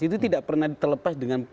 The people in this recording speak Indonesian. itu tidak pernah terlepas dengan